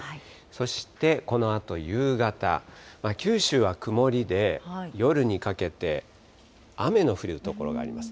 そしてこのあと夕方、九州は曇りで、夜にかけて雨の降る所があります。